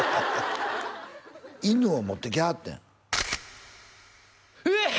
犬を持ってきはってんえっ！